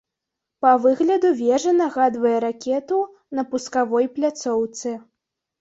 Па выгляду вежа нагадвае ракету на пускавой пляцоўцы.